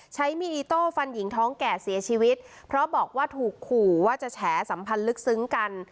ใช้มีดอิโต้ฟันหญิงท้องแก่เสียชีวิตเพราะบอกว่าถูกขู่ว่าจะแฉสัมพันธ์ลึกซึ้งกัน